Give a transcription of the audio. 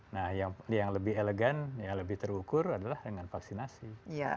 nah yang lebih elegan yang lebih terukur adalah dengan vaksinasi